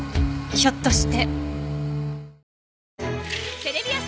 ひょっとして。